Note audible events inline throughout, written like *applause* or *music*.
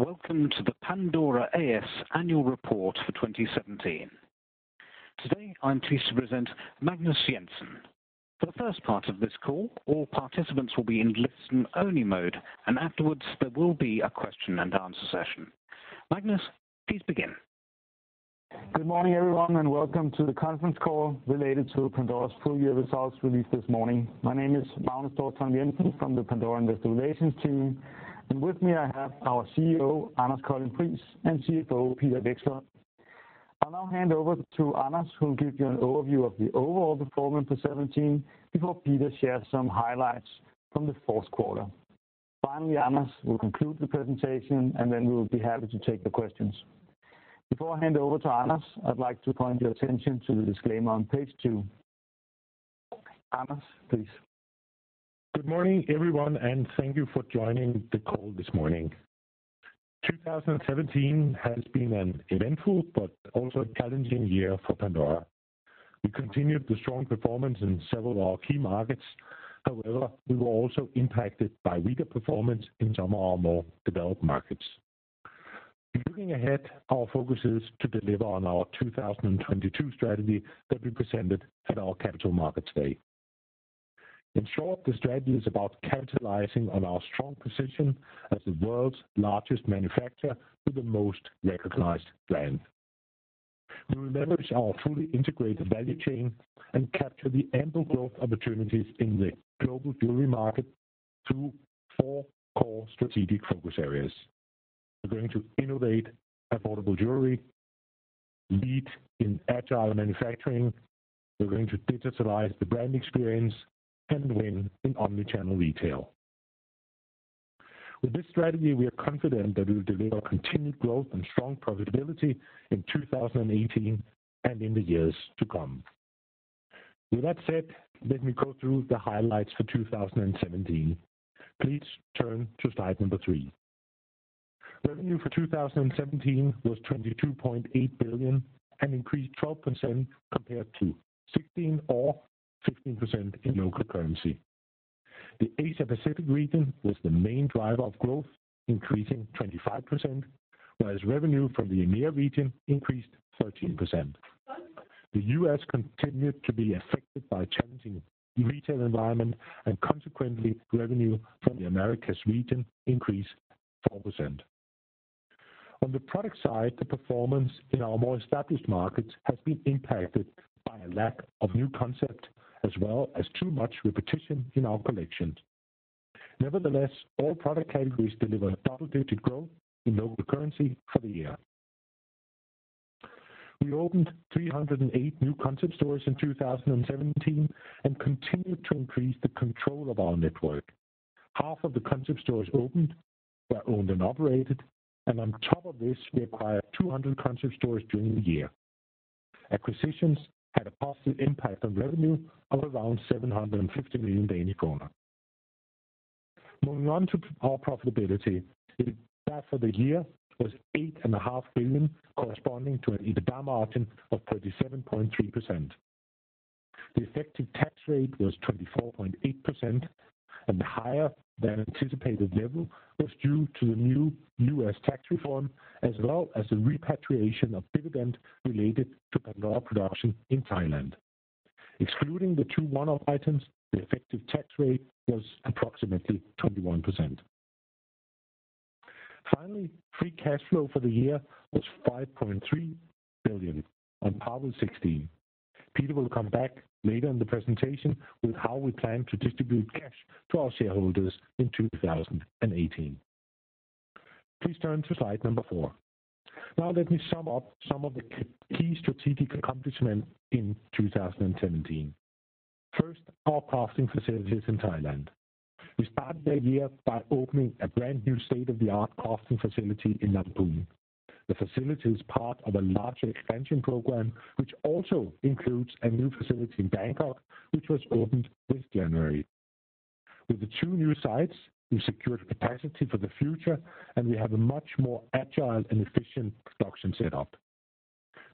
Welcome to the Pandora A/S annual report for 2017. Today, I'm pleased to present Magnus Jensen. For the first part of this call, all participants will be in listen-only mode, and afterwards, there will be a question-and-answer session. Magnus, please begin. Good morning, everyone, and welcome to the conference call related to Pandora's full year results released this morning. My name is Magnus Jensen from the Pandora Investor Relations team, and with me, I have our CEO, Anders Colding Friis, and CFO, Peter Vekslund. I'll now hand over to Anders, who will give you an overview of the overall performance for 2017, before Peter shares some highlights from the fourth quarter. Finally, Anders will conclude the presentation, and then we will be happy to take the questions. Before I hand over to Anders, I'd like to point your attention to the disclaimer on Page 2. Anders, please. Good morning, everyone, and thank you for joining the call this morning. 2017 has been an eventful but also a challenging year for Pandora. We continued the strong performance in several of our key markets. However, we were also impacted by weaker performance in some of our more developed markets. In looking ahead, our focus is to deliver on our 2022 strategy that we presented at our Capital Markets Day. In short, the strategy is about capitalizing on our strong position as the world's largest manufacturer with the most recognized brand. We will leverage our fully integrated value chain and capture the ample growth opportunities in the global jewelry market through four core strategic focus areas. We're going to innovate affordable jewelry, lead in agile manufacturing, we're going to digitalize the brand experience, and win in omni-channel retail. With this strategy, we are confident that we will deliver continued growth and strong profitability in 2018 and in the years to come. With that said, let me go through the highlights for 2017. Please turn to Slide 3. Revenue for 2017 was 22.8 billion, and increased 12% compared to 2016 or 15% in local currency. The Asia-Pacific region was the main driver of growth, increasing 25%, whereas revenue from the EMEA region increased 13%. The U.S. continued to be affected by a challenging retail environment, and consequently, revenue from the Americas region increased 4%. On the product side, the performance in our more established markets has been impacted by a lack of new concept, as well as too much repetition in our collections. Nevertheless, all product categories delivered double-digit growth in local currency for the year. We opened 308 new concept stores in 2017 and continued to increase the control of our network. Half of the concept stores opened were owned and operated, and on top of this, we acquired 200 concept stores during the year. Acquisitions had a positive impact on revenue of around 750 million Danish kroner. Moving on to our profitability. The profit for the year was 8.5 billion, corresponding to an EBITDA margin of 37.3%. The effective tax rate was 24.8%, and the higher than anticipated level was due to the new U.S. tax reform, as well as a repatriation of dividend related to Pandora Production in Thailand. Excluding the two one-off items, the effective tax rate was approximately 21%. Finally, free cash flow for the year was 5.3 billion, on par with 2016. Peter will come back later in the presentation with how we plan to distribute cash to our shareholders in 2018. Please turn to Slide 4. Now, let me sum up some of the key strategic accomplishments in 2017. First, our crafting facilities in Thailand. We started the year by opening a brand new state-of-the-art crafting facility in Lamphun. The facility is part of a larger expansion program, which also includes a new facility in Bangkok, which was opened this January. With the two new sites, we've secured capacity for the future, and we have a much more agile and efficient production set up.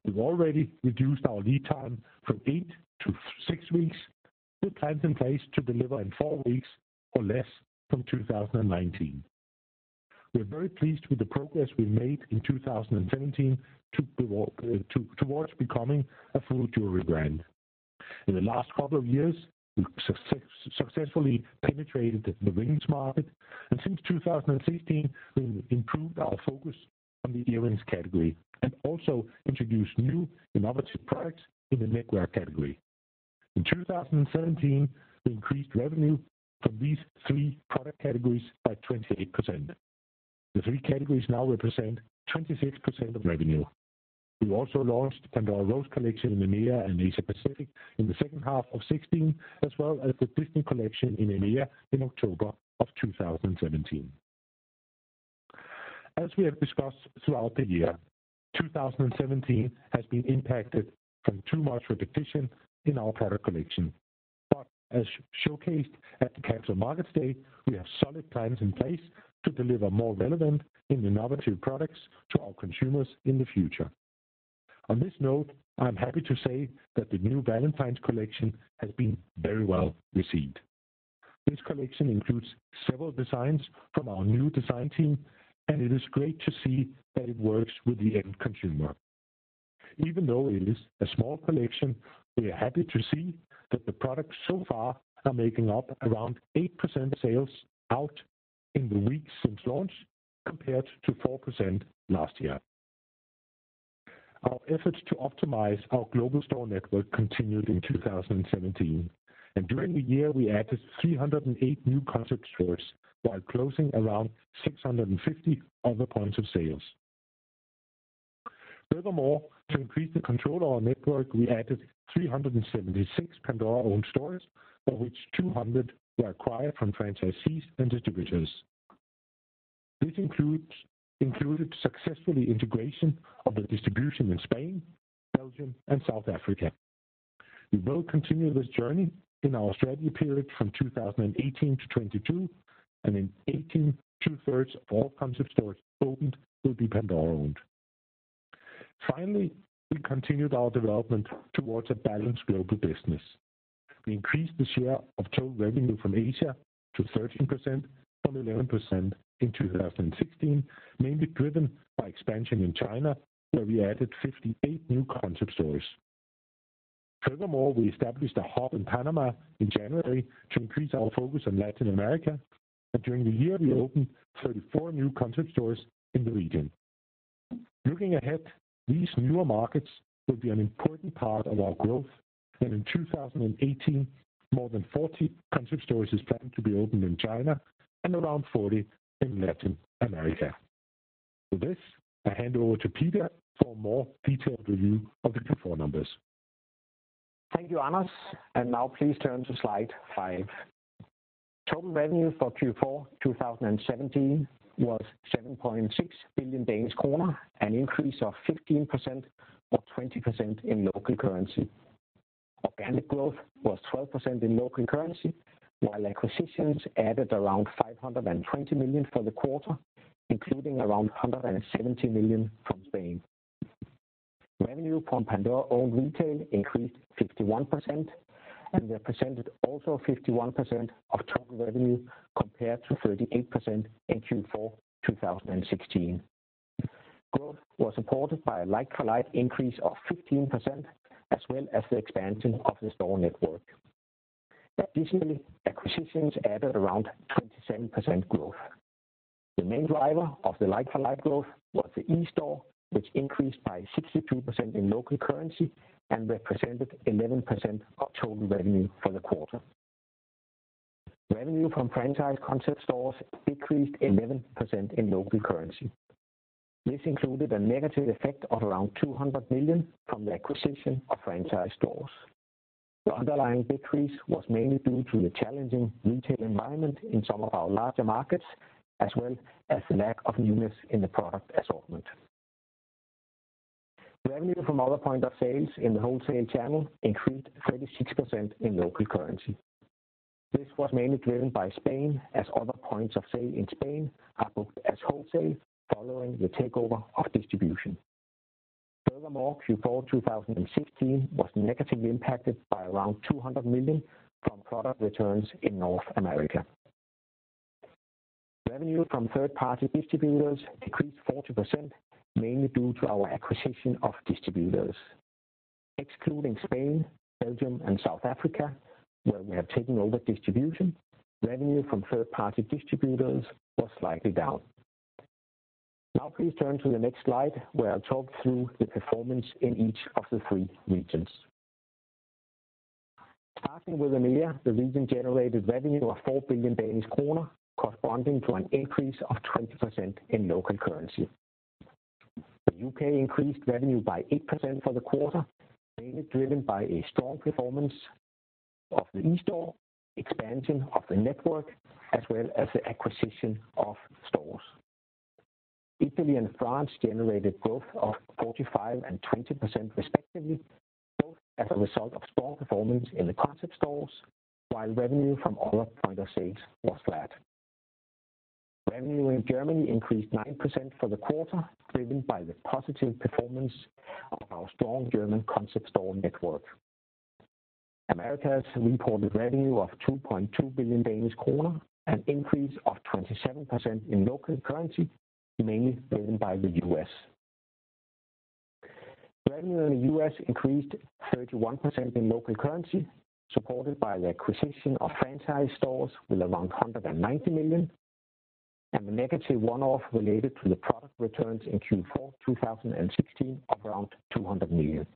We've already reduced our lead time from eight to six weeks, with plans in place to deliver in four weeks or less from 2019. We're very pleased with the progress we made in 2017 towards becoming a full jewelry brand. In the last couple of years, we successfully penetrated the rings market, and since 2016, we improved our focus on the earrings category and also introduced new innovative products in the neckwear category. In 2017, we increased revenue from these three product categories by 28%. The three categories now represent 26% of revenue. We also launched Pandora Rose collection in EMEA and Asia Pacific in the second half of 2016, as well as the Disney collection in EMEA in October of 2017. As we have discussed throughout the year, 2017 has been impacted by too much repetition in our product collection. But as showcased at the Capital Markets Day, we have solid plans in place to deliver more relevant and innovative products to our consumers in the future. On this note, I'm happy to say that the new Valentine's collection has been very well received. This collection includes several designs from our new design team, and it is great to see that it works with the end consumer. Even though it is a small collection, we are happy to see that the products so far are making up around 8% sales out in the weeks since launch, compared to 4% last year. Our efforts to optimize our global store network continued in 2017, and during the year, we added 308 new concept stores, while closing around 650 other points of sales. Furthermore, to increase the control of our network, we added 376 Pandora-owned stores, of which 200 were acquired from franchisees and distributors. This included successful integration of the distribution in Spain, Belgium, and South Africa. We will continue this journey in our strategy period from 2018 to 2022, and in 2018, 2/3 of all concept stores opened will be Pandora-owned. Finally, we continued our development towards a balanced global business. We increased the share of total revenue from Asia to 13% from 11% in 2016, mainly driven by expansion in China, where we added 58 new concept stores. Furthermore, we established a hub in Panama in January to increase our focus on Latin America, and during the year, we opened 34 new concept stores in the region. Looking ahead, these newer markets will be an important part of our growth, and in 2018, more than 40 concept stores is planned to be opened in China and around 40 in Latin America. With this, I hand over to Peter for a more detailed review of the Q4 numbers. Thank you, Anders, and now please turn to Slide 5. Total revenue for Q4 2017 was 7.6 billion Danish kroner, an increase of 15% or 20% in local currency. Organic growth was 12% in local currency, while acquisitions added around 520 million for the quarter, including around 170 million from Spain. Revenue from Pandora-owned retail increased 51% and represented also 51% of total revenue, compared to 38% in Q4 2016. Growth was supported by a like-for-like increase of 15%, as well as the expansion of the store network. Additionally, acquisitions added around 27% growth. The main driver of the like-for-like growth was the e-store, which increased by 62% in local currency and represented 11% of total revenue for the quarter. Revenue from franchise concept stores decreased 11% in local currency. This included a negative effect of around 200 million from the acquisition of franchise stores. The underlying decrease was mainly due to the challenging retail environment in some of our larger markets, as well as the lack of newness in the product assortment. Revenue from other points of sale in the wholesale channel increased 36% in local currency. This was mainly driven by Spain, as other points of sale in Spain are booked as wholesale following the takeover of distribution. Furthermore, Q4 2016 was negatively impacted by around 200 million from product returns in North America. Revenue from third-party distributors decreased 40%, mainly due to our acquisition of distributors. Excluding Spain, Belgium, and South Africa, where we have taken over distribution, revenue from third-party distributors was slightly down. Now please turn to the next slide, where I'll talk through the performance in each of the three regions. Starting with EMEA, the region generated revenue of 4 billion Danish kroner, corresponding to an increase of 20% in local currency. The U.K. increased revenue by 8% for the quarter, mainly driven by a strong performance of the e-store, expansion of the network, as well as the acquisition of stores. Italy and France generated growth of 45% and 20% respectively, both as a result of strong performance in the concept stores, while revenue from other points of sale was flat. Revenue in Germany increased 9% for the quarter, driven by the positive performance of our strong German concept store network. Americas reported revenue of 2.2 billion Danish kroner, an increase of 27% in local currency, mainly driven by the U.S. Revenue in the U.S. increased 31% in local currency, supported by the acquisition of franchise stores with around $190 million, and the negative one-off related to the product returns in Q4 2016 of around $200 million.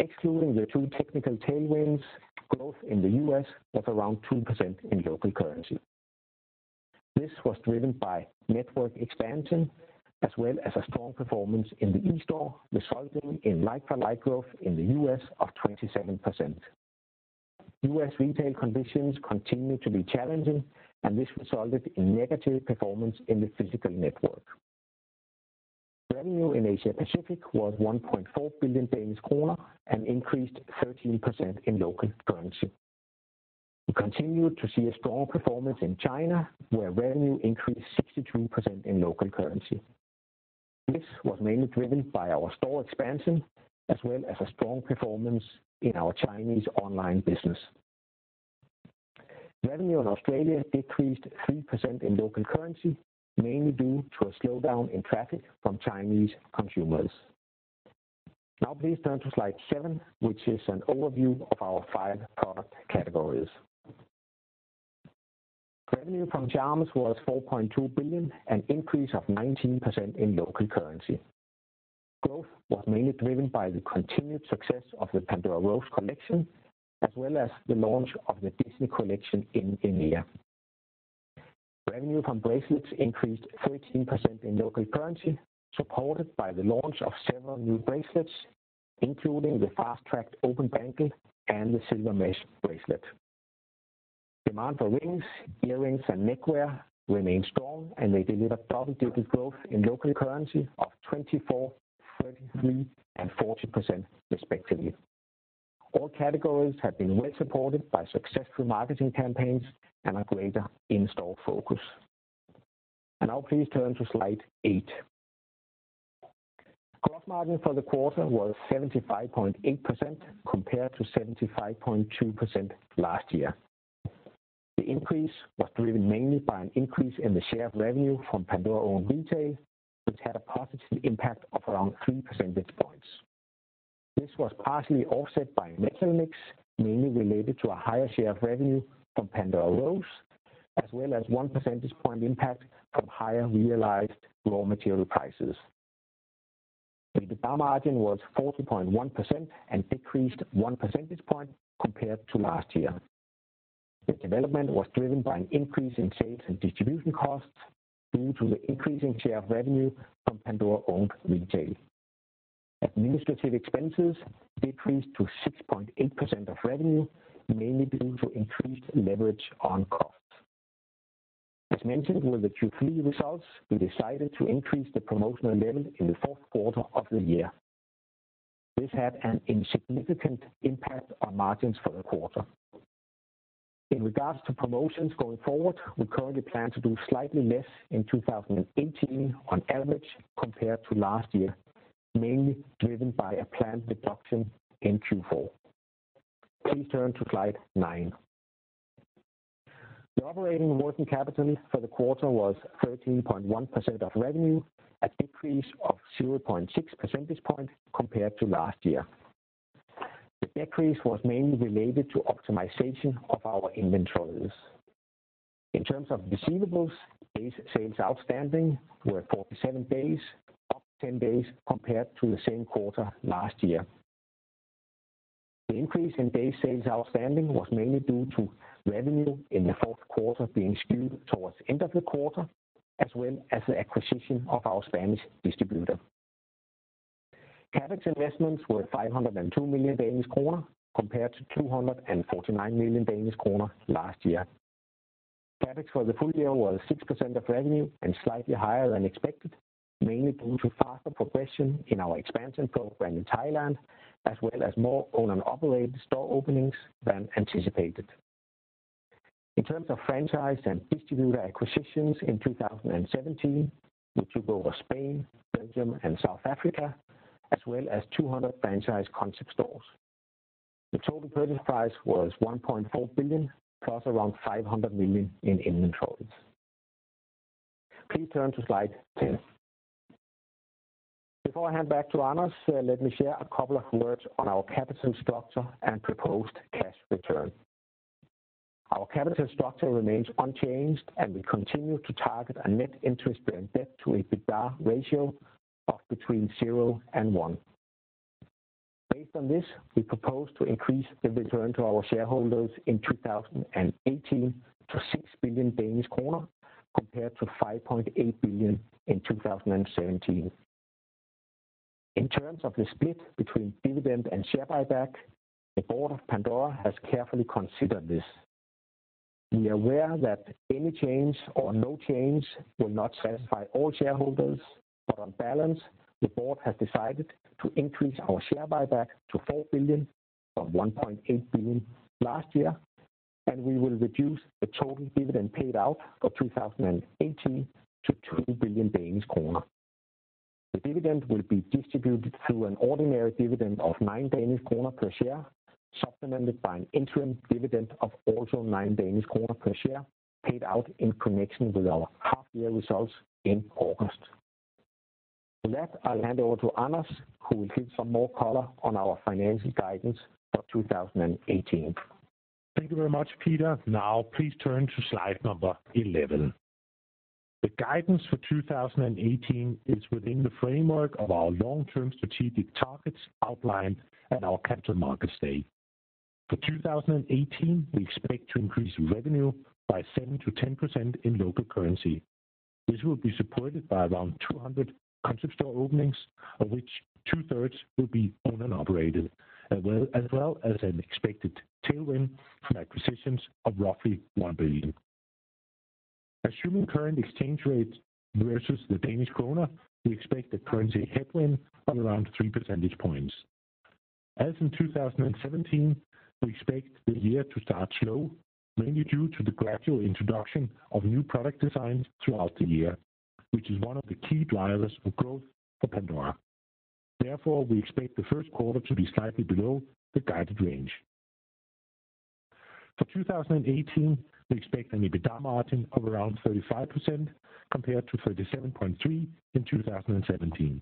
Excluding the two technical tailwinds, growth in the U.S. was around 2% in local currency. This was driven by network expansion, as well as a strong performance in the e-store, resulting in like-for-like growth in the U.S. of 27%. U.S. retail conditions continue to be challenging, and this resulted in negative performance in the physical network. Revenue in Asia Pacific was 1.4 billion Danish kroner and increased 13% in local currency. We continued to see a strong performance in China, where revenue increased 62% in local currency. This was mainly driven by our store expansion, as well as a strong performance in our Chinese online business. Revenue in Australia decreased 3% in local currency, mainly due to a slowdown in traffic from Chinese consumers. Now please turn to Slide 7, which is an overview of our five product categories. Revenue from charms was 4.2 billion, an increase of 19% in local currency. Growth was mainly driven by the continued success of the Pandora Rose collection, as well as the launch of the Disney collection in India. Revenue from bracelets increased 13% in local currency, supported by the launch of several new bracelets, including the Fast Track Open Bangle and the silver Mesh Bracelet. Demand for rings, earrings, and neckwear remained strong, and they delivered double-digit growth in local currency of 24%, 33%, and 40% respectively. All categories have been well supported by successful marketing campaigns and a greater in-store focus. Now please turn to Slide 8. Gross margin for the quarter was 75.8%, compared to 75.2% last year. The increase was driven mainly by an increase in the share of revenue from Pandora-owned retail, which had a positive impact of around 3 percentage points. This was partially offset by metal mix, mainly related to a higher share of revenue from Pandora Rose, as well as 1 percentage point impact from higher realized raw material prices. EBITDA margin was 40.1% and decreased 1 percentage point compared to last year. The development was driven by an increase in sales and distribution costs due to the increasing share of revenue from Pandora-owned retail. Administrative expenses decreased to 6.8% of revenue, mainly due to increased leverage on costs. As mentioned with the Q3 results, we decided to increase the promotional level in the fourth quarter of the year. This had an insignificant impact on margins for the quarter. In regards to promotions going forward, we currently plan to do slightly less in 2018 on average compared to last year, mainly driven by a planned reduction in Q4. Please turn to Slide 9. The operating working capital for the quarter was 13.1% of revenue, a decrease of 0.6 percentage point compared to last year. The decrease was mainly related to optimization of our inventories. In terms of receivables, days sales outstanding were 47 days, up 10 days compared to the same quarter last year. The increase in days sales outstanding was mainly due to revenue in the fourth quarter being skewed towards end of the quarter, as well as the acquisition of our Spanish distributor. CapEx investments were 502 million Danish kroner, compared to 249 million Danish kroner last year. CapEx for the full year was 6% of revenue and slightly higher than expected, mainly due to faster progression in our expansion program in Thailand, as well as more owned and operated store openings than anticipated. In terms of franchise and distributor acquisitions in 2017, which were over Spain, Belgium, and South Africa, as well as 200 franchise concept stores. The total purchase price was 1.4 billion, plus around 500 million in inventories. Please turn to Slide 10. Before I hand back to Anders, let me share a couple of words on our capital structure and proposed cash return. Our capital structure remains unchanged, and we continue to target a net interest and debt to EBITDA ratio of between 0 and 1. Based on this, we propose to increase the return to our shareholders in 2018 to 6 billion Danish kroner, compared to 5.8 billion in 2017. In terms of the split between dividend and share buyback, the Board of Pandora has carefully considered this. We are aware that any change or no change will not satisfy all shareholders, but on balance, the Board has decided to increase our share buyback to 4 billion from 1.8 billion last year, and we will reduce the total dividend paid out for 2018 to 2 billion Danish kroner. The dividend will be distributed through an ordinary dividend of 9 Danish kroner per share, supplemented by an interim dividend of also 9 Danish kroner per share, paid out in connection with our half year results in August. With that, I'll hand over to Anders, who will give some more color on our financial guidance for 2018. Thank you very much, Peter. Now, please turn to Slide 11. The guidance for 2018 is within the framework of our long-term strategic targets outlined at our Capital Markets Day. For 2018, we expect to increase revenue by 7%-10% in local currency. This will be supported by around 200 concept store openings, of which 2/3 will be owned and operated, as well, as well as an expected tailwind from acquisitions of roughly 1 billion. Assuming current exchange rates versus the Danish kroner, we expect a currency headwind of around 3 percentage points. As in 2017, we expect the year to start slow, mainly due to the gradual introduction of new product designs throughout the year, which is one of the key drivers for growth for Pandora. Therefore, we expect the first quarter to be slightly below the guided range. For 2018, we expect an EBITDA margin of around 35% compared to 37.3% in 2017.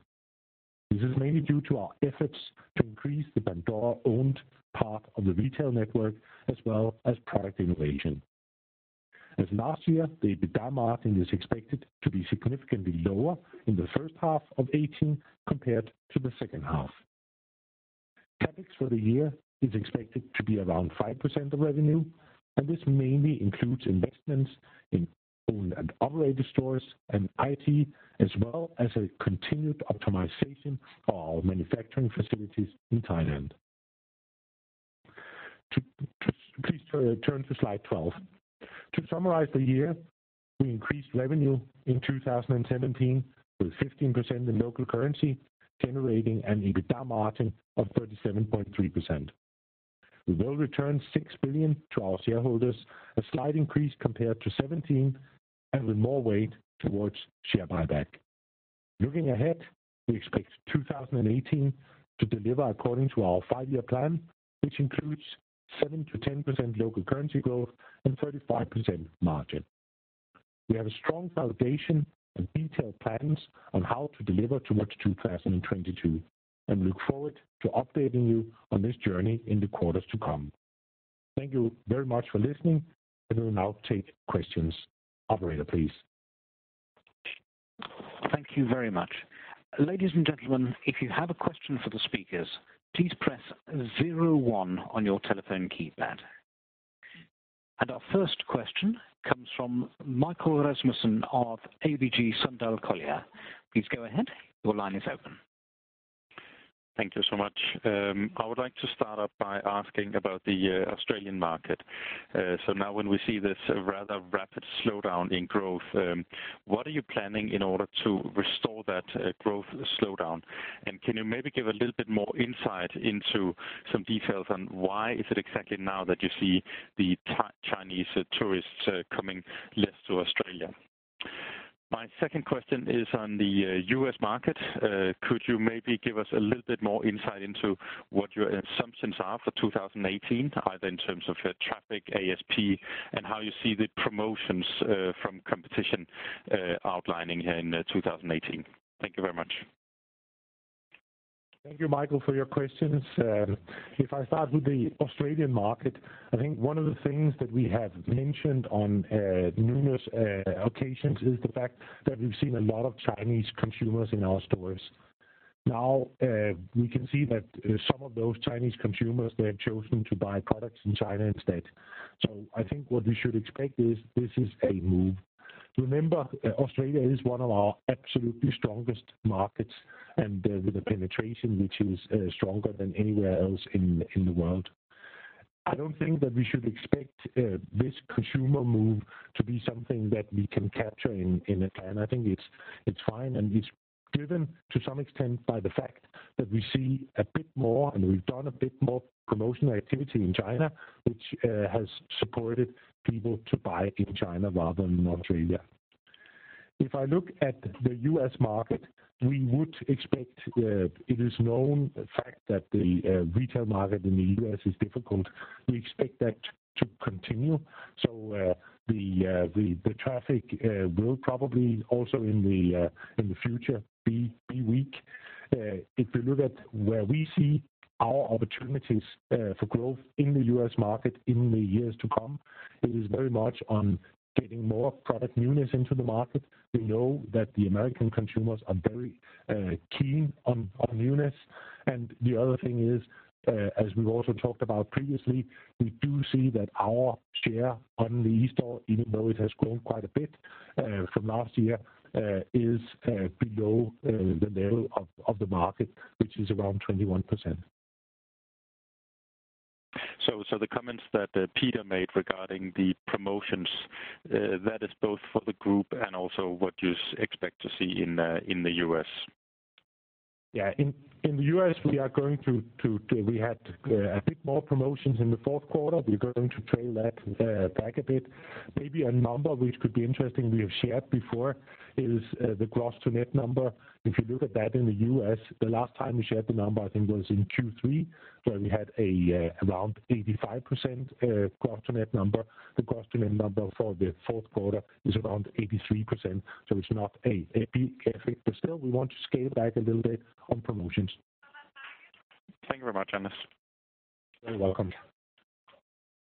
This is mainly due to our efforts to increase the Pandora-owned part of the retail network, as well as product innovation. As last year, the EBITDA margin is expected to be significantly lower in the first half of 2018 compared to the second half. CapEx for the year is expected to be around 5% of revenue, and this mainly includes investments in owned and operated stores and IT, as well as a continued optimization of our manufacturing facilities in Thailand. So, please turn to Slide 12. To summarize the year, we increased revenue in 2017 with 15% in local currency, generating an EBITDA margin of 37.3%. We will return 6 billion to our shareholders, a slight increase compared to 2017, and with more weight towards share buyback. Looking ahead, we expect 2018 to deliver according to our five-year plan, which includes 7%-10% local currency growth and 35% margin. We have a strong foundation and detailed plans on how to deliver towards 2022, and look forward to updating you on this journey in the quarters to come. Thank you very much for listening. I will now take questions. Operator, please. Thank you very much. Ladies and gentlemen, if you have a question for the speakers, please press zero one on your telephone keypad. And our first question comes from Michael Rasmussen of ABG Sundal Collier. Please go ahead, your line is open. Thank you so much. I would like to start off by asking about the Australian market. So now when we see this rather rapid slowdown in growth, what are you planning in order to restore that growth slowdown? Can you maybe give a little bit more insight into some details on why is it exactly now that you see the Chinese tourists coming less to Australia? My second question is on the U.S. market. Could you maybe give us a little bit more insight into what your assumptions are for 2018, either in terms of traffic, ASP, and how you see the promotions from competition outlining in 2018? Thank you very much. Thank you, Michael, for your questions. If I start with the Australian market, I think one of the things that we have mentioned on numerous occasions is the fact that we've seen a lot of Chinese consumers in our stores. Now, we can see that some of those Chinese consumers, they have chosen to buy products in China instead. So I think what we should expect is this is a move. Remember, Australia is one of our absolutely strongest markets, and with a penetration which is stronger than anywhere else in the world. I don't think that we should expect this consumer move to be something that we can capture in a plan. I think it's, it's fine, and it's driven to some extent by the fact that we see a bit more, and we've done a bit more promotional activity in China, which has supported people to buy in China rather than in Australia. If I look at the U.S. market, we would expect, it is known fact that the retail market in the U.S. is difficult. We expect that to continue, so the traffic will probably also in the future be weak. If we look at where we see our opportunities for growth in the U.S. market in the years to come, it is very much on getting more product newness into the market. We know that the American consumers are very keen on newness. The other thing is, as we've also talked about previously, we do see that our share on the e-store, even though it has grown quite a bit from last year, is below the level of the market, which is around 21%. So, the comments that Peter made regarding the promotions, that is both for the group and also what you expect to see in the U.S.? Yeah. In the U.S., we are going to, we had a bit more promotions in the fourth quarter. We're going to trail that back a bit. Maybe a number which could be interesting we have shared before is the gross to net number. If you look at that in the U.S., the last time we shared the number, I think, was in Q3, where we had around 85% gross to net number. The gross to net number for the fourth quarter is around 83%, so it's not a big effect, but still, we want to scale back a little bit on promotions. Thank you very much, Anders. You're welcome.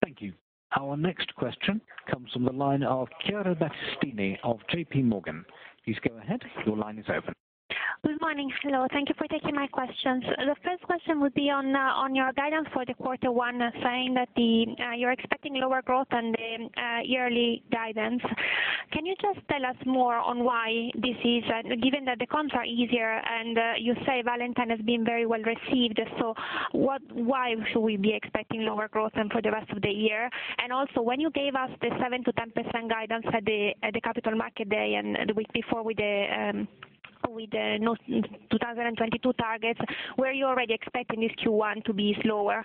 Thank you. Our next question comes from the line of Chiara Battistini of JPMorgan. Please go ahead, your line is open. Good morning. Hello, thank you for taking my questions. The first question would be on your guidance for quarter one, saying that you're expecting lower growth than the yearly guidance. Can you just tell us more on why this is, given that the comps are easier, and you say Valentine has been very well received? So what, why should we be expecting lower growth than for the rest of the year? And also, when you gave us the 7%-10% guidance at the Capital Markets Day and the week before with the 2022 targets, were you already expecting this Q1 to be slower,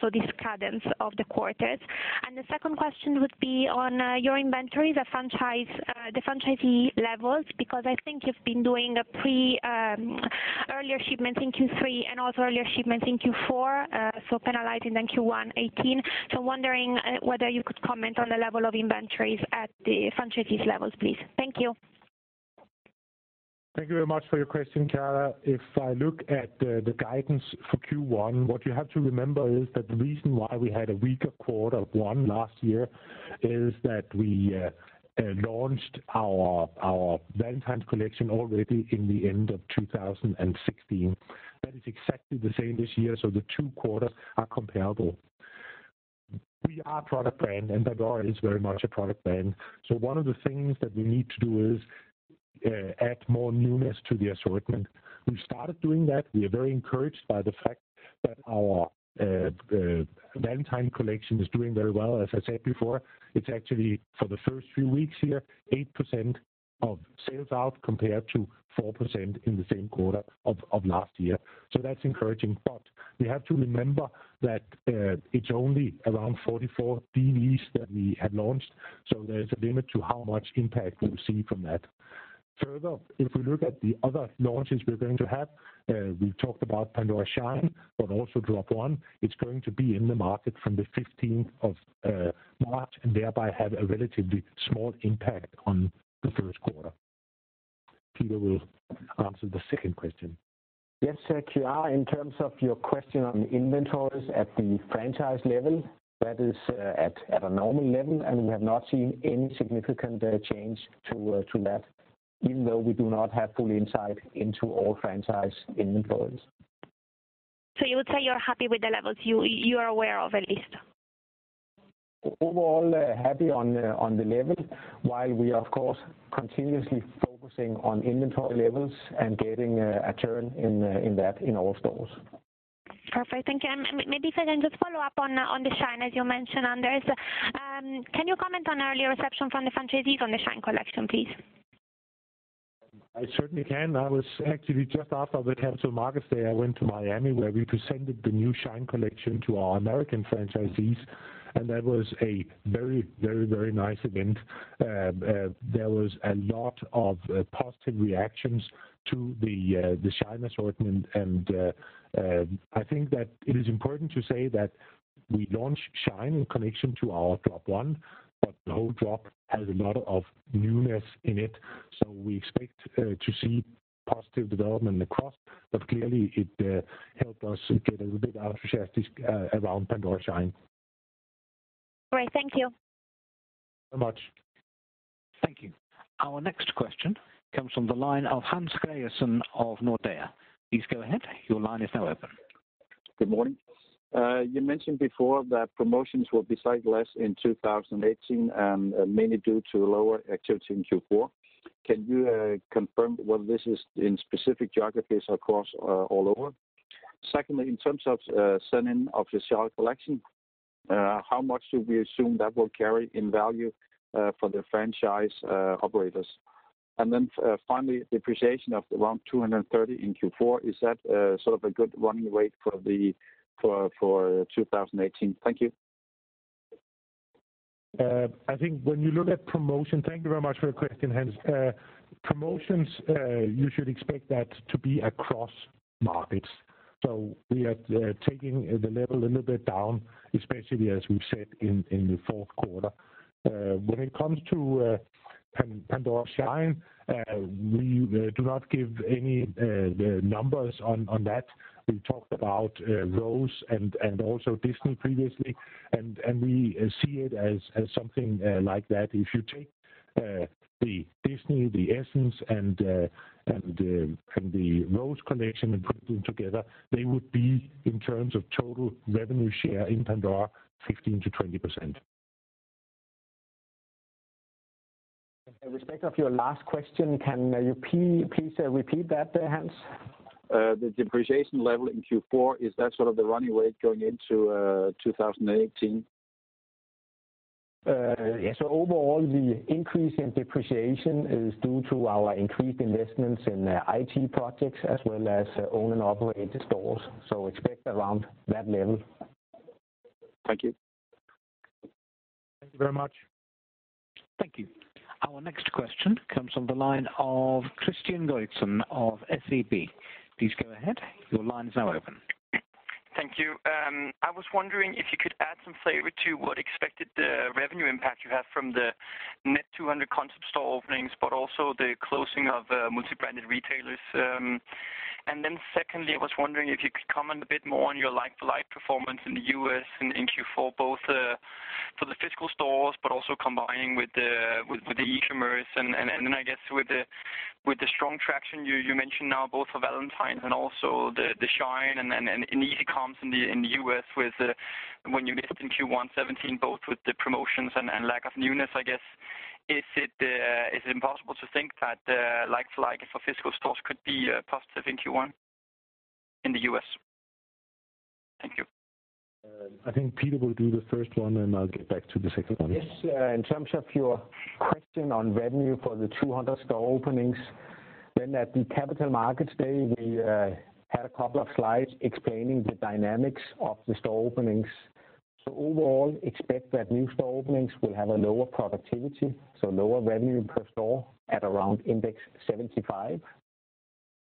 so this cadence of the quarters? And the second question would be on your inventories, the franchise, the franchisee levels, because I think you've been doing an earlier shipment in Q3 and also earlier shipments in Q4, so penalizing then Q1 2018. So wondering whether you could comment on the level of inventories at the franchisees levels, please? Thank you. Thank you very much for your question, Chiara. If I look at the guidance for Q1, what you have to remember is that the reason why we had a weaker quarter of one last year is that we launched our Valentine's collection already in the end of 2016. That is exactly the same this year, so the two quarters are comparable. We are a product brand, and Pandora is very much a product brand. So one of the things that we need to do is add more newness to the assortment. We started doing that. We are very encouraged by the fact that our Valentine collection is doing very well. As I said before, it's actually, for the first few weeks here, 8% of sales out, compared to 4% in the same quarter of last year. So that's encouraging. But we have to remember that, it's only around 44 DVs that we have launched, so there's a limit to how much impact we'll see from that. Further, if we look at the other launches we're going to have, we talked about Pandora Shine, but also Drop 1. It's going to be in the market from the 15th of March, and thereby have a relatively small impact on the first quarter. Peter will answer the second question. Yes, Chiara, in terms of your question on inventories at the franchise level, that is, at, at a normal level, and we have not seen any significant, change to, to that, even though we do not have full insight into all franchise inventories. So you would say you're happy with the levels you are aware of, at least? Overall, happy on the level, while we are, of course, continuously focusing on inventory levels and getting a turn in that in all stores. Perfect, thank you. And maybe if I can just follow up on the Shine, as you mentioned, Anders. Can you comment on early reception from the franchisees on the Shine collection, please? I certainly can. I was actually just after the Capital Markets Day, I went to Miami, where we presented the new Shine collection to our American franchisees, and that was a very, very, very nice event. There was a lot of positive reactions to the Shine assortment, and I think that it is important to say that we launched Shine in connection to our Drop 1, but the whole drop has a lot of newness in it. So we expect to see positive development across, but clearly it helped us get a little bit of publicity around Pandora Shine. Great, thank you. Thank you so much. Thank you. Our next question comes from the line of Hans Gregersen of Nordea. Please go ahead. Your line is now open. Good morning. You mentioned before that promotions will be cyclical in 2018, and mainly due to lower activity in Q4. Can you confirm whether this is in specific geographies or across all over? Secondly, in terms of spending of the Shine collection, how much do we assume that will carry in value for the franchise operators? And then finally, depreciation of around 230 in Q4, is that sort of a good running rate for 2018? Thank you. I think when you look at promotion. Thank you very much for your question, Hans. Promotions, you should expect that to be across markets. So we are taking the level a little bit down, especially as we've said in the fourth quarter. When it comes to Pandora Shine, we do not give any numbers on that. We talked about Rose and also Disney previously, and we see it as something like that. If you take the Disney, the Essence, and the Rose collection and put them together, they would be, in terms of total revenue share in Pandora, 15%-20%. In respect of your last question, can you please repeat that, Hans? The depreciation level in Q4, is that sort of the running rate going into 2018? Yes, so overall, the increase in depreciation is due to our increased investments in IT projects as well as owned and operated stores, so expect around that level. Thank you. Thank you very much. Thank you. Our next question comes from the line of Kristian Godiksen of SEB. Please go ahead. Your line is now open. Thank you. I was wondering if you could add some flavor to what expected revenue impact you have from the net 200 concept store openings, but also the closing of multi-branded retailers. And then secondly, I was wondering if you could comment a bit more on your like-for-like performance in the U.S. and in Q4, both for the physical stores, but also combining with the e-commerce. And then I guess with the strong traction you mentioned now, both for Valentine's and also the Shine and e-coms in the U.S., when you missed in Q1 2017, both with the promotions and lack of newness, I guess. Is it possible to think that like-for-like for physical stores could be positive in Q1 in the U.S.? I think Peter will do the first one, and I'll get back to the second one. Yes, in terms of your question on revenue for the 200 store openings, then at the Capital Markets Day, we had a couple of slides explaining the dynamics of the store openings. So overall, expect that new store openings will have a lower productivity, so lower revenue per store at around Index 75.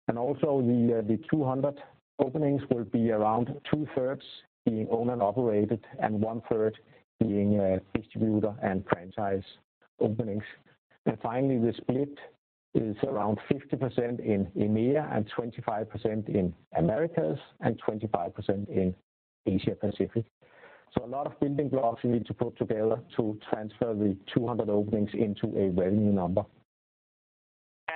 And also the 200 openings will be around 2/3 being owned and operated, and 1/3 being distributor and franchise openings. And finally, the split is around 50% in EMEA, and 25% in Americas, and 25% in Asia Pacific. So a lot of building blocks you need to put together to transfer the 200 openings into a revenue number.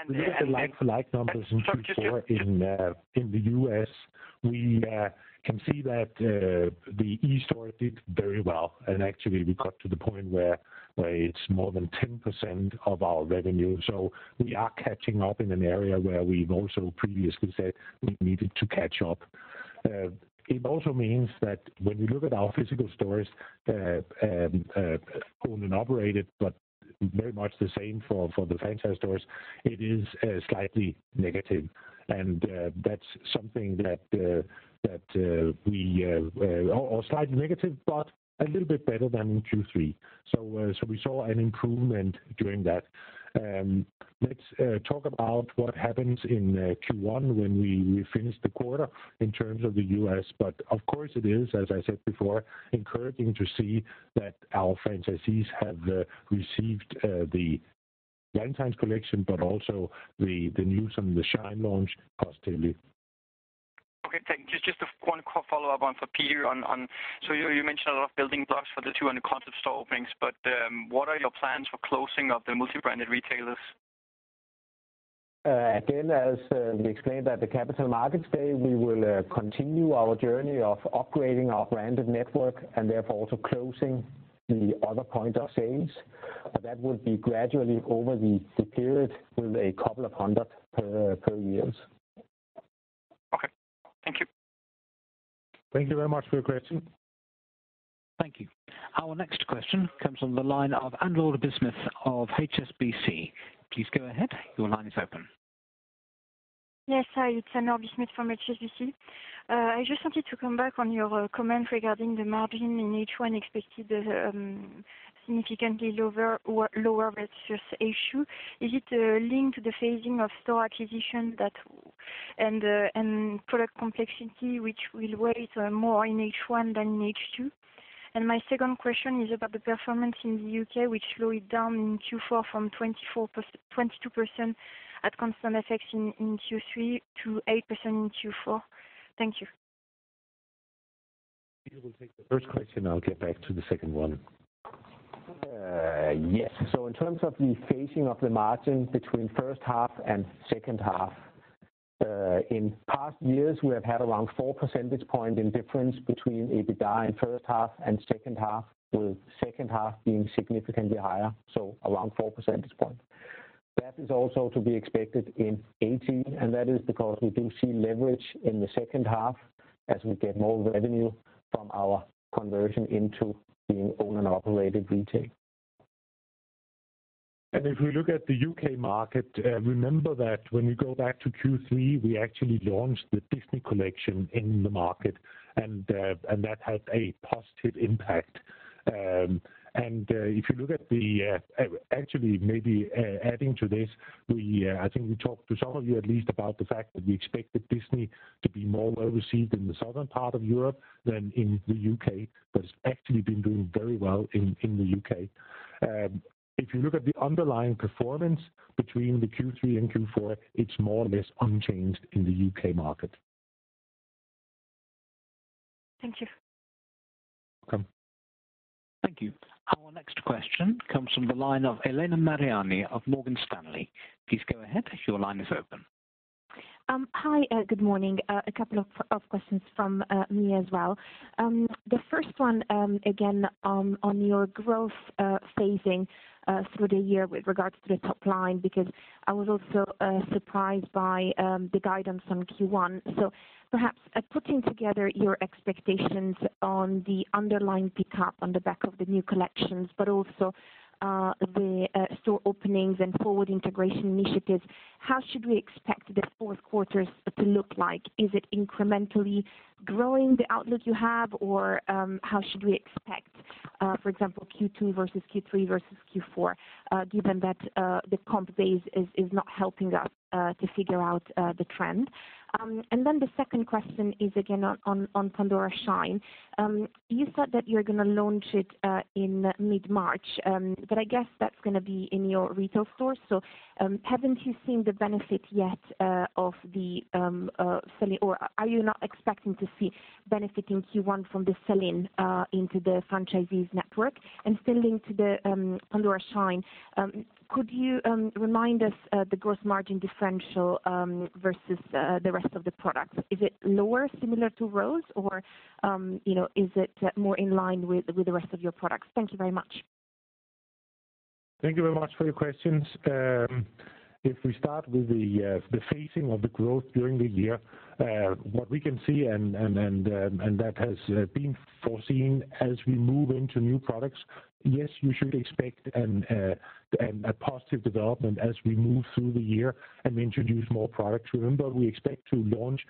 If you look at the like-for-like numbers in Q4 in the U.S., we can see that the e-store did very well, and actually, we got to the point where it's more than 10% of our revenue. So we are catching up in an area where we've also previously said we needed to catch up. It also means that when we look at our physical stores, owned and operated, but very much the same for the franchise stores, it is slightly negative. Or slightly negative, but a little bit better than in Q3. So we saw an improvement during that. Let's talk about what happens in Q1 when we finish the quarter in terms of the U.S. Of course, it is, as I said before, encouraging to see that our franchisees have received the Valentine's collection, but also the new some of the Shine launch positively. Okay, thank you. Just one quick follow-up for Peter. So you mentioned a lot of building blocks for the 200 concept store openings, but what are your plans for closing of the multi-branded retailers? Again, as we explained at the Capital Markets Day, we will continue our journey of upgrading our branded network and therefore also closing the other points of sale. But that would be gradually over the period with a couple of hundred per year. Okay. Thank you. Thank you very much for your question. Thank you. Our next question comes from the line of Anne-Laure Bismuth of HSBC. Please go ahead, your line is open. Yes, hi, it's Anne-Laure Bismuth from HSBC. I just wanted to come back on your comment regarding the margin in H1 expected significantly lower versus H2. Is it linked to the phasing of store acquisition and product complexity, which will weigh more in H1 than in H2? And my second question is about the performance in the U.K., which slowed down in Q4 from 22% at constant FX in Q3 to 8% in Q4. Thank you. Peter will take the first question, and I'll get back to the second one. Yes. So in terms of the phasing of the margin between first half and second half, in past years, we have had around 4 percentage points in difference between EBITDA in first half and second half, with second half being significantly higher, so around 4 percentage points. That is also to be expected in 2018, and that is because we do see leverage in the second half as we get more revenue from our conversion into being owned and operated retail. If we look at the U.K. market, remember that when we go back to Q3, we actually launched the Disney collection in the market, and that had a positive impact. Actually, maybe adding to this, I think we talked to some of you at least about the fact that we expected Disney to be more well-received in the southern part of Europe than in the U.K., but it's actually been doing very well in the U.K. If you look at the underlying performance between the Q3 and Q4, it's more or less unchanged in the U.K. market. Thank you. Welcome. Thank you. Our next question comes from the line of Elena Mariani of Morgan Stanley. Please go ahead, your line is open. Hi, good morning. A couple of questions from me as well. The first one, again, on your growth phasing through the year with regards to the top line, because I was also surprised by the guidance on Q1. So perhaps putting together your expectations on the underlying pickup on the back of the new collections, but also the store openings and forward integration initiatives, how should we expect the fourth quarters to look like? Is it incrementally growing the outlook you have, or how should we expect, for example, Q2 versus Q3 versus Q4, given that the comp base is not helping us to figure out the trend? And then the second question is again on Pandora Shine. You said that you're gonna launch it in mid-March, but I guess that's gonna be in your retail stores. So, haven't you seen the benefit yet of the selling? Or are you not expecting to see benefit in Q1 from the sell-in into the franchisees network? And still linked to the Pandora Shine, could you remind us the gross margin differential versus the rest of the products? Is it lower, similar to Rose, or you know, is it more in line with the rest of your products? Thank you very much. Thank you very much for your questions. If we start with the phasing of the growth during the year, what we can see and that has been foreseen as we move into new products. Yes, you should expect a positive development as we move through the year and introduce more products. Remember, we expect to launch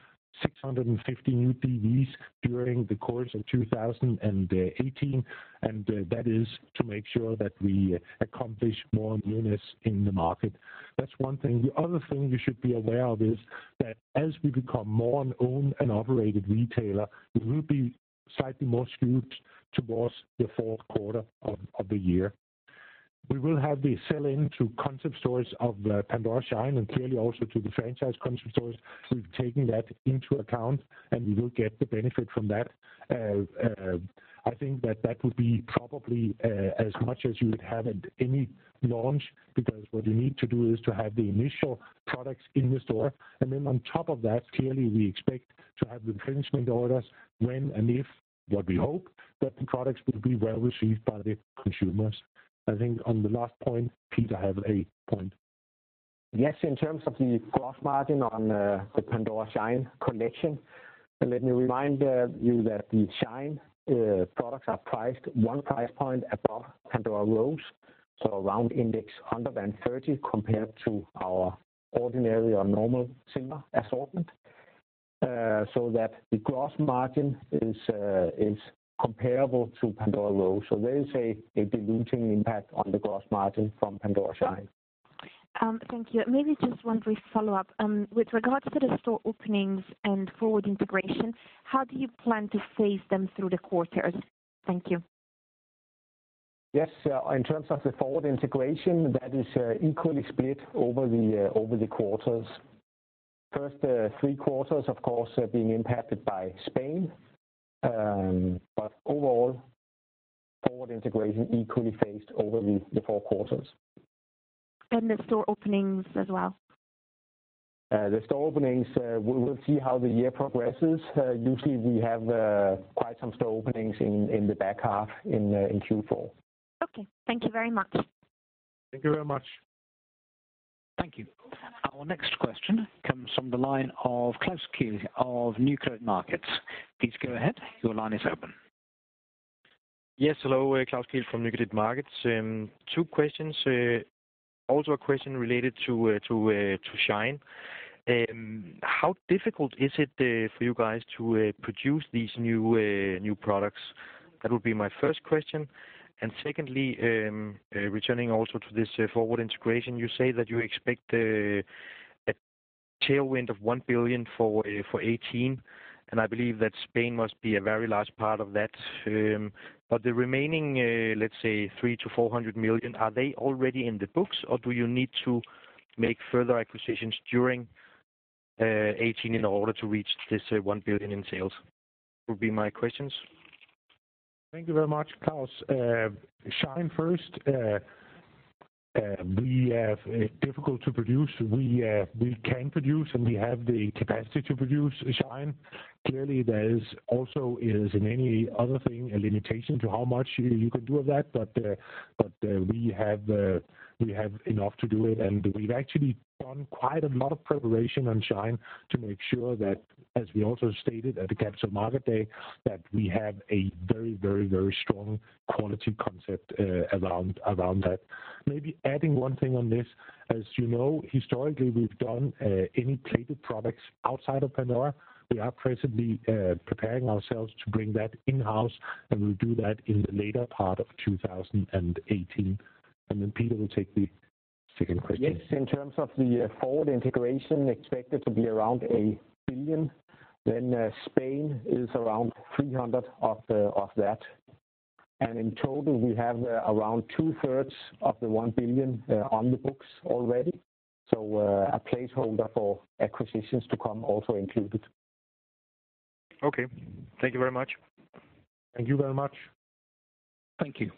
650 new DVs during the course of 2018, and that is to make sure that we accomplish more newness in the market. That's one thing. The other thing you should be aware of is that as we become more an owned and operated retailer, we will be slightly more skewed towards the fourth quarter of the year. We will have the sell-in to concept stores of Pandora Shine, and clearly also to the franchise concept stores. We've taken that into account, and we will get the benefit from that. I think that that would be probably as much as you would have at any launch, because what you need to do is to have the initial products in the store, and then on top of that, clearly, we expect to have the replenishment orders when and if, what we hope, that the products will be well received by the consumers. I think on the last point, Peter have a point. Yes, in terms of the gross margin on the Pandora Shine collection, let me remind you that the Shine products are priced one price point above Pandora Rose, so around Index 130 compared to our ordinary or normal silver assortment. So that the gross margin is comparable to Pandora Rose. So there is a diluting impact on the gross margin from Pandora Shine. Thank you. Maybe just one brief follow-up. With regards to the store openings and forward integration, how do you plan to phase them through the quarters? Thank you. Yes, in terms of the forward integration, that is, equally split over the quarters. First, three quarters, of course, being impacted by Spain. But overall, forward integration equally phased over the four quarters. The store openings as well? The store openings, we will see how the year progresses. Usually we have quite some store openings in the back half in Q4. Okay. Thank you very much. Thank you very much. Thank you. Our next question comes from the line of Klaus Kehl of Nykredit Markets. Please go ahead, your line is open. Yes, hello, Klaus Kehl from Nykredit Markets. Two questions. Also a question related to Shine. How difficult is it for you guys to produce these new products? That would be my first question. And secondly, returning also to this forward integration, you say that you expect a tailwind of 1 billion for 2018, and I believe that Spain must be a very large part of that. But the remaining, let's say 300 million-400 million, are they already in the books, or do you need to make further acquisitions during 2018 in order to reach this 1 billion in sales? Would be my questions. Thank you very much, Klaus. Shine first. We have difficult to produce. We can produce, and we have the capacity to produce Shine. Clearly, there is also, as in any other thing, a limitation to how much you can do of that, but we have enough to do it. And we've actually done quite a lot of preparation on Shine to make sure that, as we also stated at the Capital Markets Day, that we have a very, very, very strong quality concept around that. Maybe adding one thing on this, as you know, historically, we've done any plated products outside of Pandora. We are presently preparing ourselves to bring that in-house, and we'll do that in the later part of 2018. And then Peter will take the second question. Yes, in terms of the forward integration, expected to be around 1 billion, then, Spain is around 300 million of that. And in total, we have around 2/3 of the 1 billion on the books already. So, a placeholder for acquisitions to come also included. Okay. Thank you very much. Thank you very much. Thank you.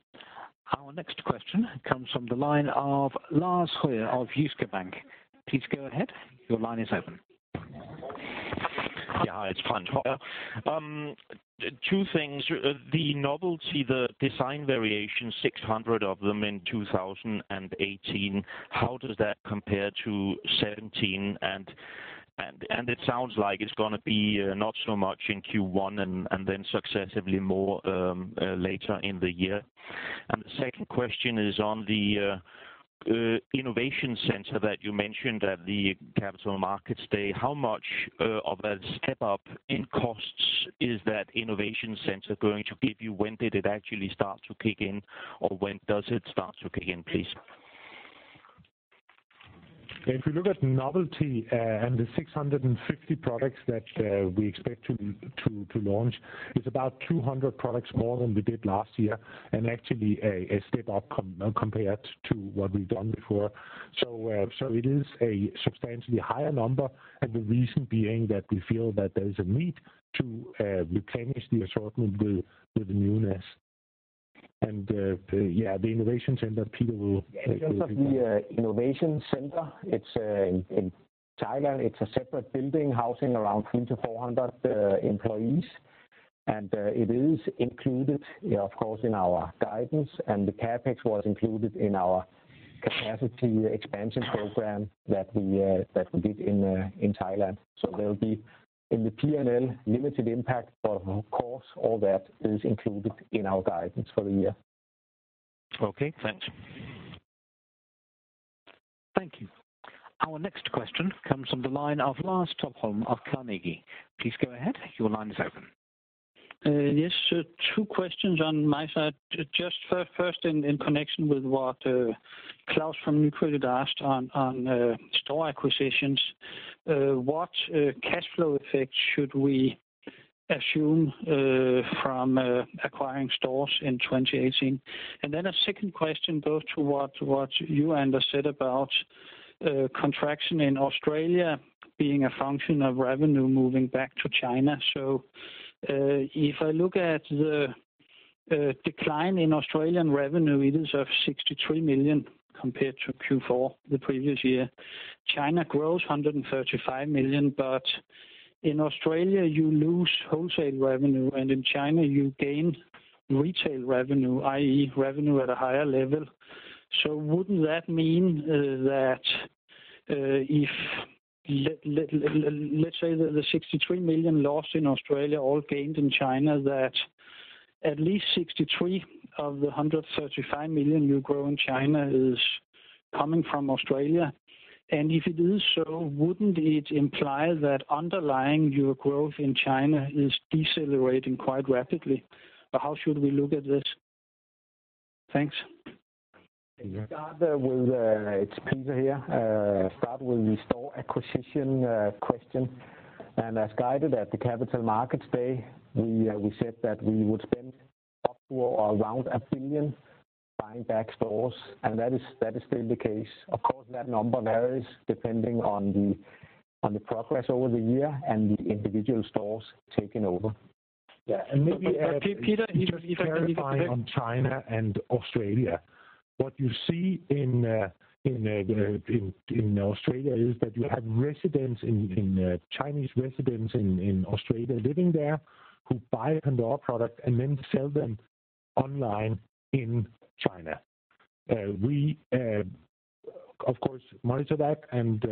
Our next question comes from the line of Frans Hoyer of Jyske Bank. Please go ahead, your line is open. Yeah, it's fine. Hello. Two things. The novelty, the design variation, 600 of them in 2018, how does that compare to 2017? And, and, and it sounds like it's gonna be not so much in Q1 and, and then successively more later in the year. And the second question is on the Innovation Center that you mentioned at the Capital Markets Day. How much of a step-up in costs is that Innovation Center going to give you? When did it actually start to kick in, or when does it start to kick in, please? If you look at novelty and the 650 products that we expect to launch, it's about 200 products more than we did last year, and actually a step-up compared to what we've done before. So it is a substantially higher number, and the reason being that we feel that there is a need to replenish the assortment with newness. And yeah, the Innovation Center, Peter will. In terms of the Innovation Center, it's in China. It's a separate building housing around 300-400 employees. It is included, of course, in our guidance, and the CapEx was included in our capacity expansion program that we did in Thailand. So there will be in the P&L limited impact, but of course, all that is included in our guidance for the year. Okay, thanks. Thank you. Our next question comes from the line of Lars Topholm of Carnegie. Please go ahead. Your line is open. Yes, sir. Two questions on my side. Just first, in connection with what Klaus from Nykredit asked on store acquisitions. What cash flow effect should we assume from acquiring stores in 2018? And then a second question goes to what you, Anders, said about contraction in Australia being a function of revenue moving back to China. So, if I look at the decline in Australian revenue, it is of 63 million compared to Q4 the previous year. China grows 135 million, but in Australia, you lose wholesale revenue, and in China, you gain retail revenue, i.e., revenue at a higher level. Wouldn't that mean that if let's say that the 63 million lost in Australia, all gained in China, that at least 63 million of the 135 million you grow in China is coming from Australia? And if it is so, wouldn't it imply that underlying your growth in China is decelerating quite rapidly? Or how should we look at this? Thanks. We start with, it's Peter here. Start with the store acquisition question. As guided at the Capital Markets Day, we said that we would spend up to or around 1 billion buying back stores, and that is still the case. Of course, that number varies depending on the progress over the year and the individual stores taking over. Yeah, and maybe, Peter, if I can. Just clarify on China and Australia. What you see in Australia is that you have Chinese residents in Australia living there, who buy Pandora product and then sell them online in China. We, of course, monitor that and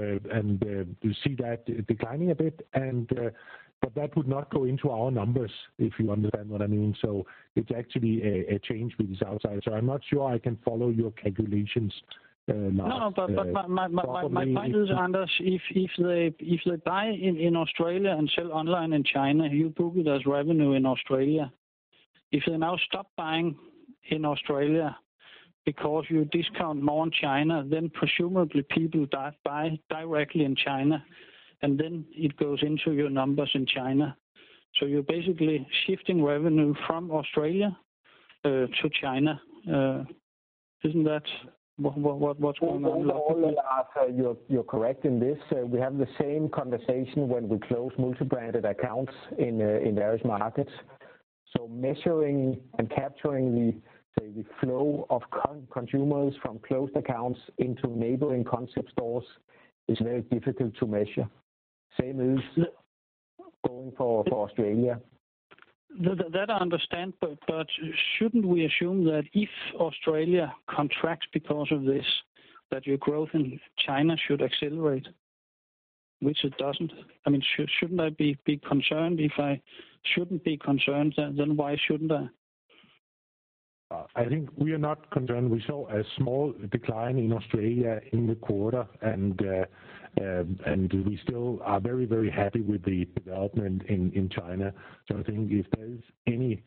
we see that declining a bit, but that would not go into our numbers, if you understand what I mean. So it's actually a change which is outside. So I'm not sure I can follow your calculations, Lars. No, but my point is, Anders, if they buy in Australia and sell online in China, you book it as revenue in Australia. If they now stop buying in Australia because you discount more in China, then presumably people buy directly in China, and then it goes into your numbers in China. So you're basically shifting revenue from Australia to China. Isn't that what's going on? Overall, Lars, you're correct in this. We have the same conversation when we close multi-branded accounts in various markets. So measuring and capturing the flow of consumers from closed accounts into neighboring concept stores is very difficult to measure. Same is going for Australia. That I understand, but shouldn't we assume that if Australia contracts because of this, that your growth in China should accelerate, which it doesn't? I mean, shouldn't I be concerned? If I shouldn't be concerned, then why shouldn't I? I think we are not concerned. We saw a small decline in Australia in the quarter, and we still are very, very happy with the development in China. So I think if there is any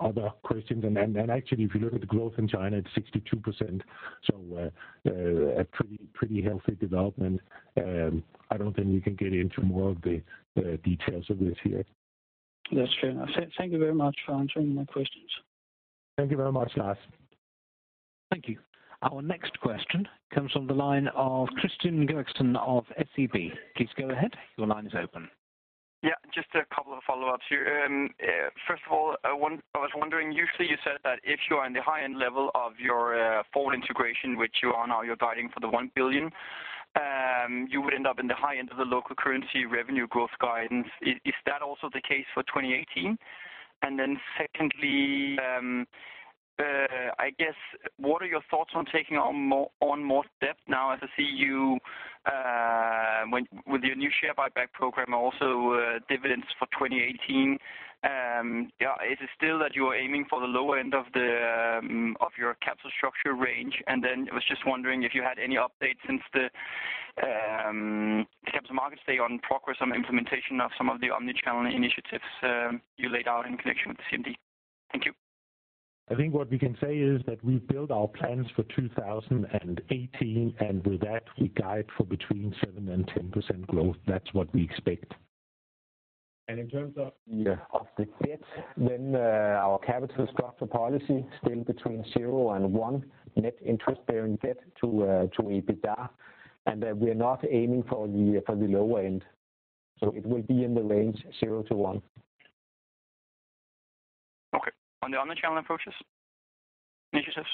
other questions, and then, and actually, if you look at the growth in China, it's 62%, so a pretty, pretty healthy development. I don't think we can get into more of the details of this here. That's fair enough. Thank you very much for answering my questions. Thank you very much, Lars. Thank you. Our next question comes from the line of Kristian Godiksen of SEB. Please go ahead. Your line is open. Yeah, just a couple of follow-ups here. First of all, I was wondering, usually you said that if you are in the high end level of your full integration, which you are now, you're guiding for the 1 billion, you would end up in the high end of the local currency revenue growth guidance. Is that also the case for 2018? And then secondly, I guess, what are your thoughts on taking on more debt now, as I see you with your new share buyback program, also dividends for 2018? Yeah, is it still that you are aiming for the lower end of your capital structure range? I was just wondering if you had any update since the Capital Markets Day on progress on implementation of some of the omni-channel initiatives you laid out in connection with the CMD. Thank you. I think what we can say is that we built our plans for 2018, and with that, we guide for between 7% and 10% growth. That's what we expect. In terms of the debt, our capital structure policy still between 0 and 1 net interest-bearing debt to EBITDA, and we are not aiming for the lower end. It will be in the range 0-1. On the omni-channel approaches? Initiatives?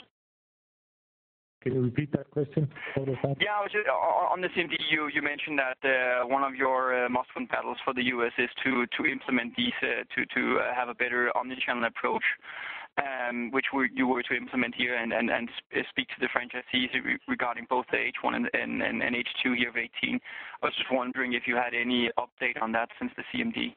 Can you repeat that question? Yeah, I was just, on the CMD. You mentioned that one of your must-win battles for the U.S. is to implement these, to have a better omni-channel approach. Which we were to implement here and speak to the franchisees regarding both the H1 and H2 year of 2018. I was just wondering if you had any update on that since the CMD?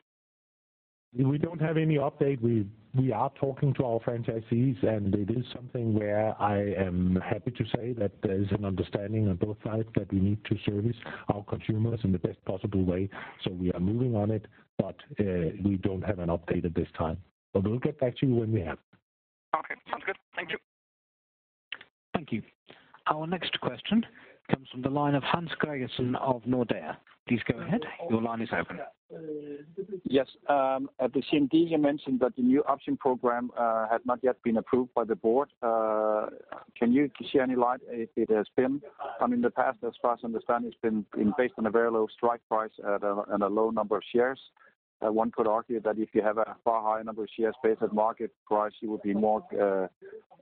We don't have any update. We are talking to our franchisees, and it is something where I am happy to say that there is an understanding on both sides that we need to service our consumers in the best possible way. So we are moving on it, but we don't have an update at this time. But we'll get back to you when we have. Okay, sounds good. Thank you. Thank you. Our next question comes from the line of Hans Gregersen of Nordea. Please go ahead, your line is open. Yes, at the CMD, you mentioned that the new option program had not yet been approved by the Board. Can you shed any light if it has been? I mean, in the past, as far as I understand, it's been based on a very low strike price and a low number of shares. One could argue that if you have a far higher number of shares based at market price, you would be more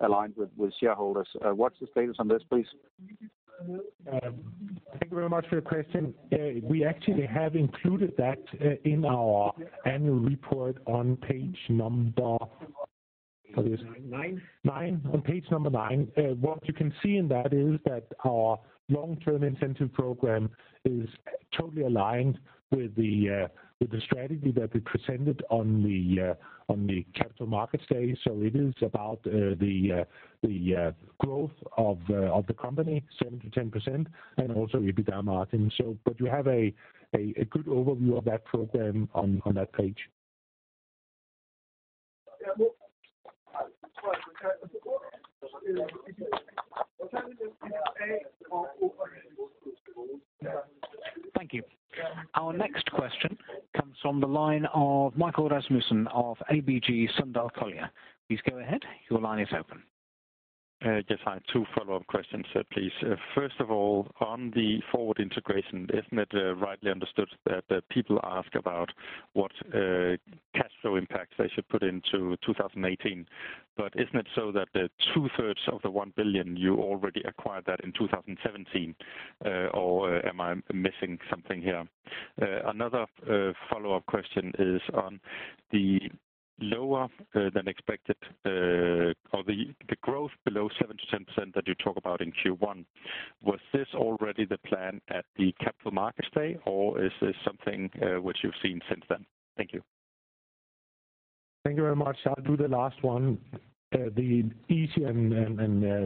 aligned with shareholders. What's the status on this, please? Thank you very much for your question. We actually have included that in our annual report on page number, what is it? Nine. Nine. On Page 9. What you can see in that is that our long-term incentive program is totally aligned with the strategy that we presented on the Capital Markets Day. So it is about the growth of the company, 7%-10%, and also EBITDA margin. So but you have a good overview of that program on that page. Thank you. Our next question comes from the line of Michael Rasmussen of ABG Sundal Collier. Please go ahead, your line is open. Yes, I have two follow-up questions, please. First of all, on the forward integration, isn't it rightly understood that the people ask about what cash flow impacts they should put into 2018? But isn't it so that the 2/3 of the 1 billion you already acquired that in 2017, or am I missing something here? Another follow-up question is on the lower than expected, or the growth below 7%-10% that you talk about in Q1. Was this already the plan at the Capital Markets Day, or is this something which you've seen since then? Thank you. Thank you very much. I'll do the last one. The easy and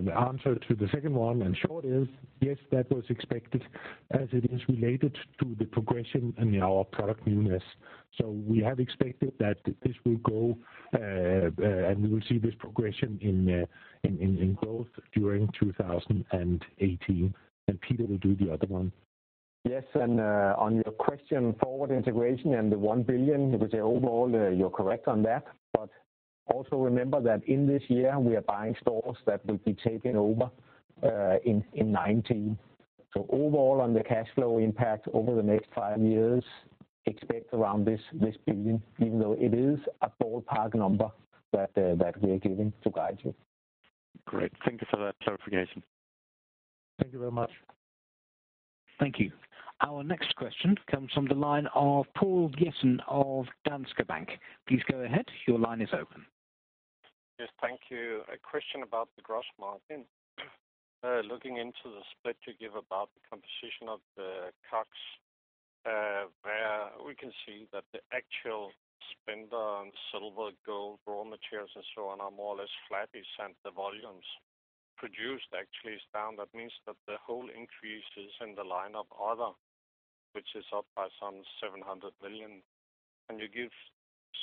short answer to the second one is, yes, that was expected as it is related to the progression in our product newness. So we have expected that this will go, and we will see this progression in growth during 2018. And Peter will do the other one. Yes, and, on your question, forward integration and the 1 billion, I would say overall, you're correct on that. But also remember that in this year, we are buying stores that will be taking over, in, in 2019. So overall, on the cash flow impact over the next five years, expect around this, this 1 billion, even though it is a ballpark number that, that we are giving to guide you. Great, thank you for that clarification. Thank you very much. Thank you. Our next question comes from the line of Poul Jessen of Danske Bank. Please go ahead, your line is open. Yes, thank you. A question about the gross margin. Looking into the split you give about the composition of the COGS, where we can see that the actual spend on silver, gold, raw materials, and so on, are more or less flat since the volumes produced actually is down. That means that the whole increase is in the line of other, which is up by some 700 million. Can you give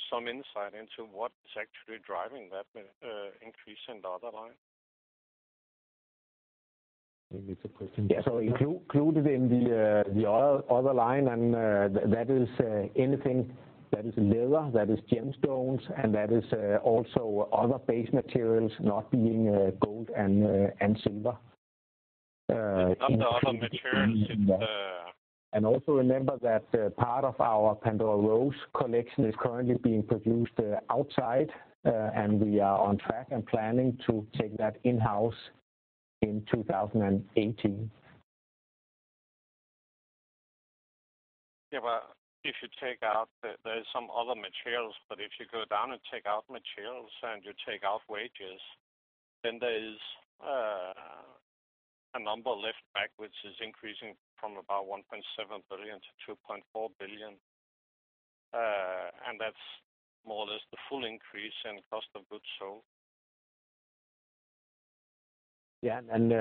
some insight into what is actually driving that, increase in the other line? I think it's a question. Yeah, so included in the other line, and that is anything that is leather, that is gemstones, and that is also other base materials not being gold and silver. In. *crosstalk* Not the other materials, it's. *crosstalk* Also remember that part of our Pandora Rose collection is currently being produced outside, and we are on track and planning to take that in-house in 2018. Yeah, but if you take out, there's some other materials, but if you go down and take out materials and you take out wages, then there is a number left back, which is increasing from about 1.7 billion to 2.4 billion. And that's more or less the full increase in cost of goods sold. Yeah, and,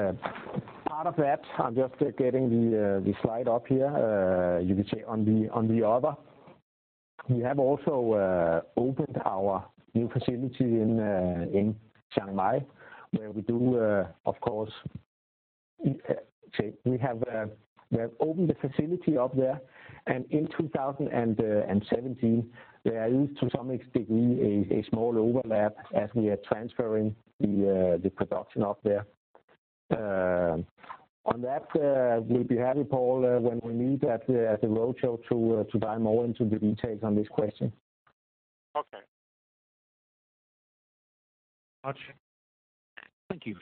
part of that, I'm just getting the, the slide up here. You can see on the, on the other, we have also, opened our new facility in, in Chiang Mai, where we do, of course, so we have, we have opened a facility up there, and in 2017, there is to some extent, a, a small overlap as we are transferring the, the production up there. On that, we'll be happy, Poul, when we meet at the, at the roadshow to, to dive more into the details on this question. Okay. Thank you very much. Thank you.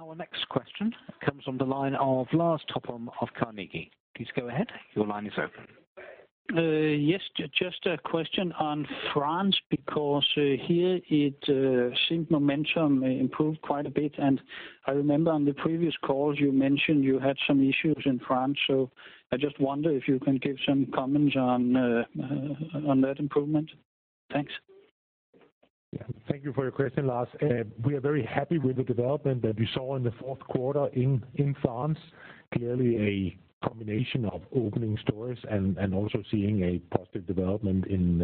Our next question comes from the line of Lars Topholm of Carnegie. Please go ahead, your line is open. Yes, just a question on France, because here it seems momentum improved quite a bit. And I remember on the previous calls, you mentioned you had some issues in France, so I just wonder if you can give some comments on, on that improvement. Thanks. Thank you for your question, Lars. We are very happy with the development that we saw in the fourth quarter in France. Clearly a combination of opening stores and also seeing a positive development in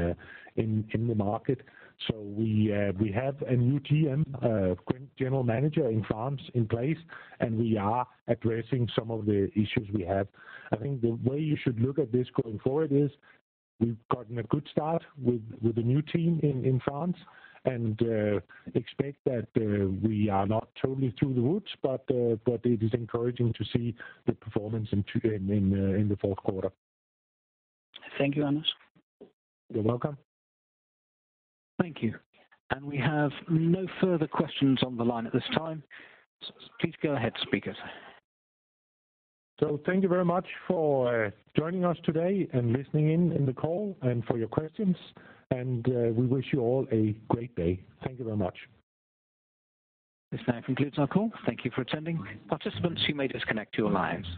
the market. So we have a new GM, general manager, in France in place, and we are addressing some of the issues we have. I think the way you should look at this going forward is we've gotten a good start with the new team in France, and expect that we are not totally through the woods, but it is encouraging to see the performance in the fourth quarter. Thank you, Anders. You're welcome. Thank you. We have no further questions on the line at this time. Please go ahead, speakers. Thank you very much for joining us today and listening in on the call and for your questions, and we wish you all a great day. Thank you very much. This now concludes our call. Thank you for attending. Participants, you may disconnect your lines.